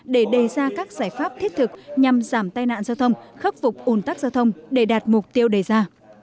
để đề ra các giải pháp thiết thực nhằm giảm tai nạn giao thông khắc phục ồn tắc giao thông để đạt mục tiêu đề ra